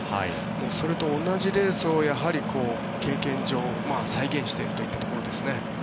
それと同じレースをやはり経験上、再現しているというところですね。